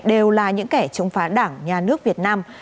đều là những kẻ chống phá đảng nhà nước việt nam